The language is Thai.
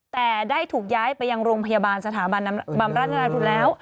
แต่ได้ถูกย้ายไปยังโรงพยาบาลสถาบันบำราชนาธุแล้ว